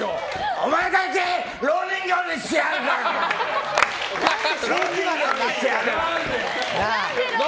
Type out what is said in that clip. お前たち蝋人形にしてやるからな！